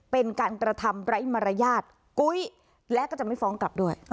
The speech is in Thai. เป็นการกระทำไร้มารยาทกุ้ยและก็จะไม่ฟ้องกลับด้วย